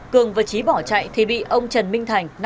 cường và trí bỏ chạy thì bị ông trần minh thành